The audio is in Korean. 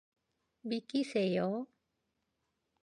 비키세요!